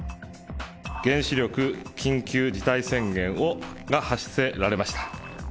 原子力緊急事態宣言が発せられました。